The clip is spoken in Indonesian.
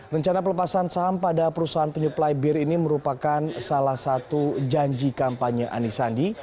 rencana pelepasan saham pada perusahaan penyuplai bir ini merupakan salah satu janji kampanye anies sandi